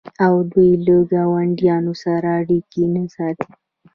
آیا دوی له ګاونډیانو سره اړیکې نه ساتي؟